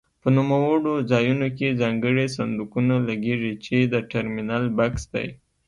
په نوموړو ځایونو کې ځانګړي صندوقونه لګېږي چې د ټرمینل بکس دی.